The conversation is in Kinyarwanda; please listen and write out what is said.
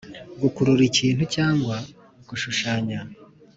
gukurura ikintu cyangwa gushushanya,